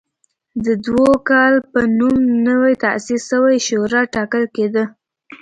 د دوکال په نوم نوې تاسیس شوې شورا ټاکل کېده.